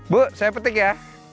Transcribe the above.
bu saya petik ya